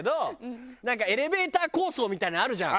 なんかエレベーター構想みたいなのあるじゃん。